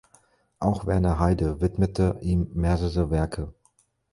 Auch Werner Heider widmete ihm mehrere Werke.